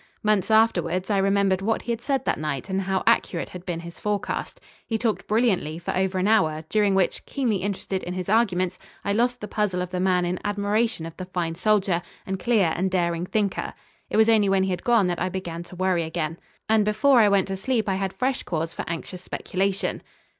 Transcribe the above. Months afterwards I remembered what he had said that night and how accurate had been his forecast. He talked brilliantly for over an hour, during which, keenly interested in his arguments, I lost the puzzle of the man in admiration of the fine soldier and clear and daring thinker. It was only when he had gone that I began to worry again. And before I went to sleep I had fresh cause for anxious speculation.